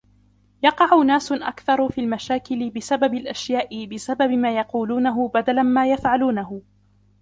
يقع ناس أكثر في المشاكل بسبب الأشياء بسبب ما يقولونه بدلا ما يفعلونه.